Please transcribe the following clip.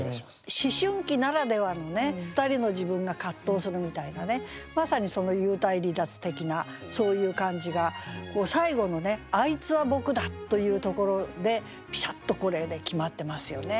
思春期ならではのね２人の自分が葛藤するみたいなねまさにその幽体離脱的なそういう感じが最後の「あいつは僕だ」というところでピシャッとこれで決まってますよね。